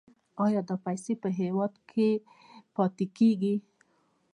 آیا دا پیسې په هیواد کې پاتې کیږي؟